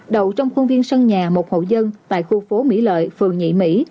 đầu trong khuôn viên sân nhà một hộ dân tại khu phố mỹ lợi phường nhị mỹ